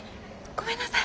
ごめんなさい。